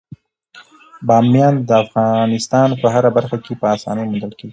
بامیان د افغانستان په هره برخه کې په اسانۍ موندل کېږي.